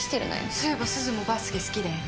そういえばすずもバスケ好きだよね？